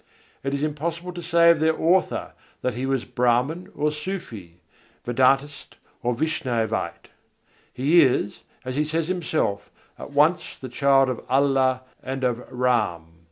It is impossible to say of their author that he was Brâhman or Sûfî, Vedântist or Vaishnavite. He is, as he says himself, "at once the child of Allah and of Râm."